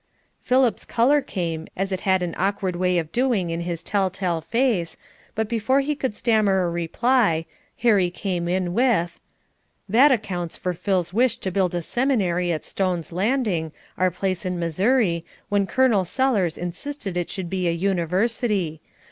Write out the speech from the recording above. Philip's color came, as it had an awkward way of doing in his tell tale face, but before he could stammer a reply, Harry came in with, "That accounts for Phil's wish to build a Seminary at Stone's Landing, our place in Missouri, when Col. Sellers insisted it should be a University.